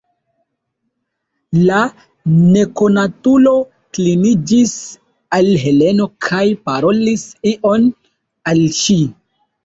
La nekonatulo kliniĝis al Heleno kaj parolis ion al ŝi.